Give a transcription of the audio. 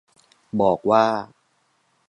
บอกว่า